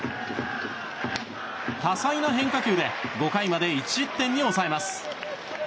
多彩な変化球で５回まで１失点に抑えます。